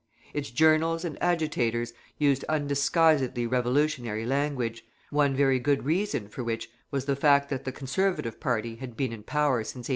Its journals and agitators used undisguisedly revolutionary language, one very good reason for which was the fact that the Conservative party had been in power since 1841.